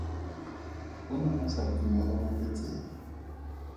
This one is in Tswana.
O ne a sa timelelwa ke tsela.